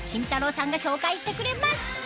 さんが紹介してくれます